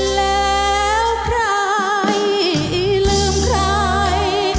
แล้วใครลืมใคร